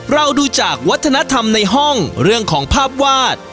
เราดูจากวัฒนธรรมในห้องเรื่องของภาพวาด